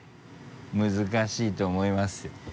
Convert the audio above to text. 難しいと思いますよ。